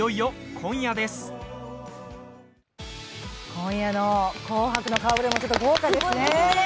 今夜の「紅白」の顔ぶれも豪華ですね。